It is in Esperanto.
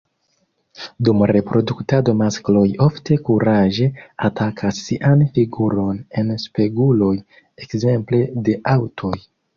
Dum reproduktado maskloj ofte kuraĝe atakas sian figuron en speguloj ekzemple de aŭtoj.